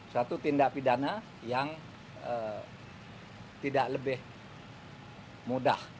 satu tindak pidana yang tidak lebih mudah